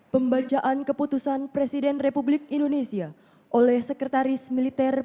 pembanjaan keputusan presiden republik indonesia oleh sekretaris militer perintah